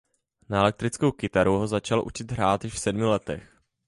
Na elektrickou kytaru ho začal učit hrát již v sedmi letech.